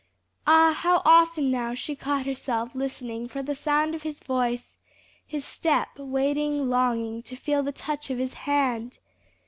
Ah, how often she now caught herself listening for the sound of his voice, his step, waiting, longing to feel the touch of his hand!